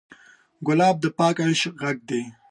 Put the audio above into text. ګلاب د پاک عشق غږ دی.